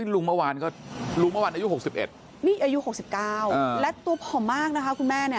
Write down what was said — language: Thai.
ลุงเมื่อวานอายุ๖๑นี่อายุ๖๙และตัวผอมมากนะคะคุณแม่